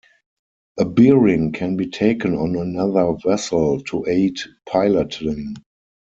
A bearing can be taken on another vessel to aid piloting.